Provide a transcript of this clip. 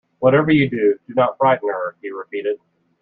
"Whatever you do, do not frighten her," he repeated.